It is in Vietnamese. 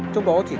trong đó chỉ có